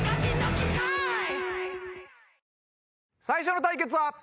最初の対決は。